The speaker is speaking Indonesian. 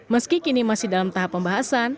meski kini masih dalam tahap pembahasan